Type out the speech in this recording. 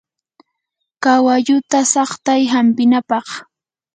kawalluta saqtay hampinapaq.